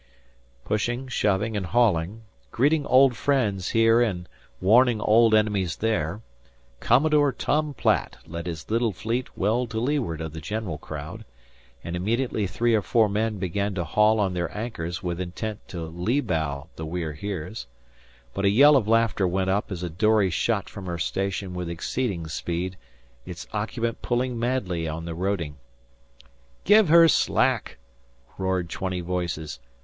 Pushing, shoving, and hauling, greeting old friends here and warning old enemies there, Commodore Tom Platt led his little fleet well to leeward of the general crowd, and immediately three or four men began to haul on their anchors with intent to lee bow the We're Heres. But a yell of laughter went up as a dory shot from her station with exceeding speed, its occupant pulling madly on the roding. "Give her slack!" roared twenty voices.